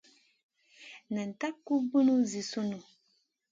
Nan tab gu bùn zi sùn.